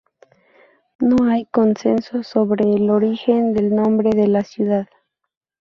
No hay consenso sobre el origen del nombre de la ciudad.